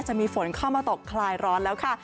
จะมีฝนเข้ามาตกคลายร้อนแล้วค่ะ